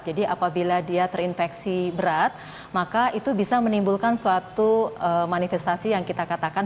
jadi apabila dia terinfeksi berat maka itu bisa menimbulkan suatu manifestasi yang kita katakan